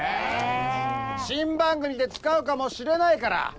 新番組で使うかもしれないから！ね！